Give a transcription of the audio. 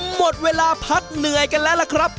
หมดเวลาพักเหนื่อยกันแล้วล่ะครับ